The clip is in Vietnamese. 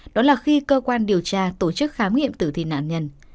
đó là khi cơ quan điều tra tổ chức khám nghiệm tử thi nạn nhân